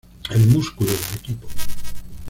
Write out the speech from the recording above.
El músculo del equipo.